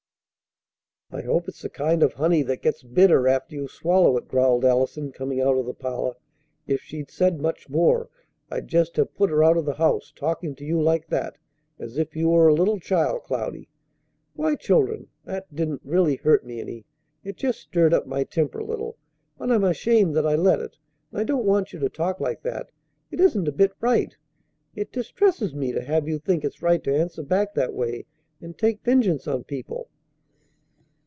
"I hope it's the kind of honey that gets bitter after you swallow it!" growled Allison, coming out of the parlor. "If she'd said much more, I'd just have put her out of the house, talking to you like that, as if you were a little child, Cloudy!" "Why, children! That didn't really hurt me any; it just stirred up my temper a little; but I'm ashamed that I let it, and I don't want you to talk like that. It isn't a bit right. It distresses me to have you think it's right to answer back that way and take vengeance on people."